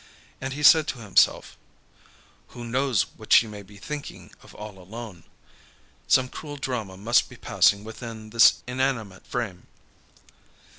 And he said to himself: "Who knows what she may be thinking of all alone? Some cruel drama must be passing within this inanimate frame."